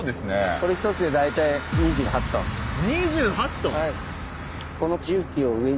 これ１つで大体２８ｔ⁉はい。